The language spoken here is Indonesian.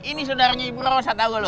ini saudaranya ibu rossa tau gue lo